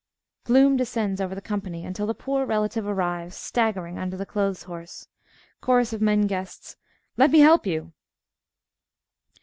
(Gloom descends over the company, until the Poor Relative arrives, staggering under the clothes horse.) CHORUS OF MEN GUESTS Let me help you!